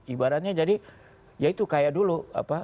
ibaratnya jadi ya itu kayak dulu